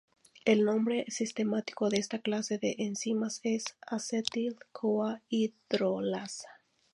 El nombre sistemático de esta clase de enzimas es "acetil-CoA hidrolasa".